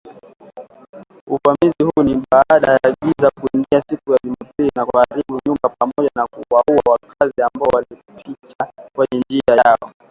uvamizi huu ni baada ya giza kuingia siku ya Jumapili na kuharibu nyumba pamoja na kuwaua wakazi ambao walipita kwenye njia yao